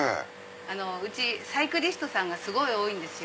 うちサイクリストさんがすごい多いんですよ。